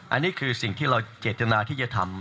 อันนี้คือสิ่งที่เราเจตนาที่จะทำ